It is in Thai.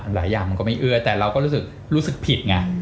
หลายอย่างมันก็ไม่เอื้อแต่เราก็รู้สึกผิดไง